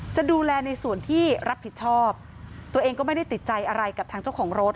จะดูแลในส่วนที่รับผิดชอบตัวเองก็ไม่ได้ติดใจอะไรกับทางเจ้าของรถ